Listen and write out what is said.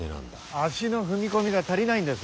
足の踏み込みが足りないんです。